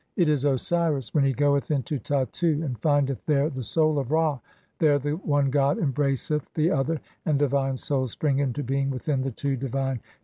It is Osiris [when] he goeth into Tattu (in) and findeth there the Soul of Ra ; there the one god embraceth (112) the other, and divine souls spring into being within the two divine Tchafi.